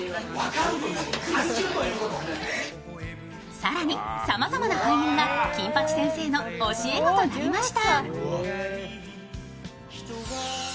更にさまざまな俳優が金八先生の教え子となりました。